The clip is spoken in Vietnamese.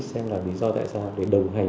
xem là lý do tại sao để đồng hành